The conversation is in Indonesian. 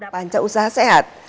panca usaha sehat